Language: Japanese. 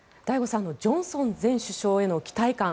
醍醐さんジョンソン前首相への期待感